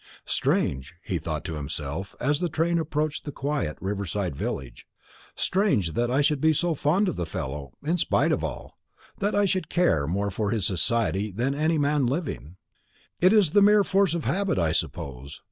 "Strange," he thought to himself, as the train approached the quiet, river side village "strange that I should be so fond of the fellow, in spite of all; that I should care more for his society than that of any man living. It is the mere force of habit, I suppose.